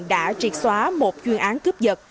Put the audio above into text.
đã triệt xóa một chuyên án cướp giật